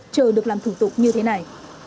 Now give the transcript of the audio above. chờ được làm thủ tục như thế này